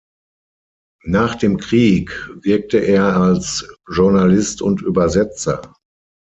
Nach dem Krieg wirkte er als Journalist und Übersetzer.